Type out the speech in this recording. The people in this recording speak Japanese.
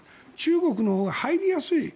中国のほうが入りやすい。